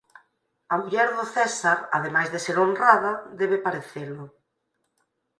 A muller do César, ademais de ser honrada, debe parecelo.